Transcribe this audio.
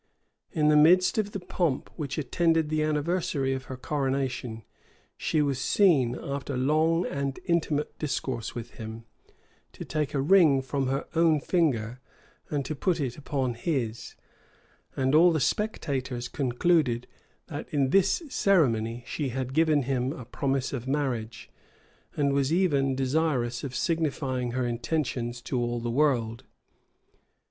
In the midst of the pomp which attended the anniversary of her coronation, she was seen, after long and intimate discourse with him, to take a ring from her own finger, and to put it upon his; and all the spectators concluded, that in this ceremony she had given him a promise of marriage, and was even desirous of signifying her intentions to all the world.